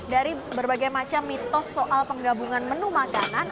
dari berbagai macam mitos soal penggabungan menu makanan